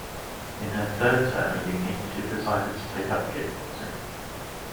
In her third term at uni she decided to take up kickboxing